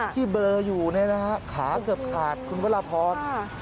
ที่เบลออยู่นะครับขาเกือบขาดคุณพระพร